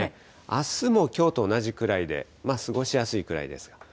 あすもきょうと同じくらいで、過ごしやすいくらいです。